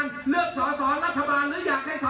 คุณวราวุฒิศิลปะอาชาหัวหน้าภักดิ์ชาติไทยพัฒนา